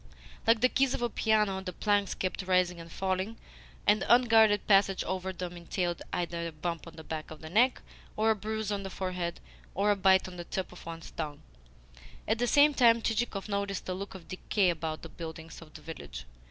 Like the keys of a piano, the planks kept rising and falling, and unguarded passage over them entailed either a bump on the back of the neck or a bruise on the forehead or a bite on the tip of one's tongue. At the same time Chichikov noticed a look of decay about the buildings of the village.